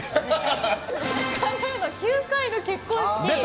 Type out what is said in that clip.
神田うの、９回の結婚式。